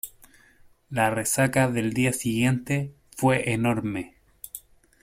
La resaca del día siguiente fue enorme.